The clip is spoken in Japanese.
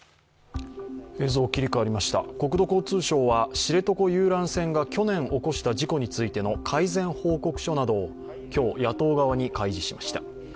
国土交通省は知床遊覧船が去年起こした事故についての改善報告書などを今日、野党側に開示しました。